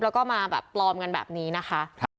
แล้วก็มาแบบปลอมกันแบบนี้นะคะ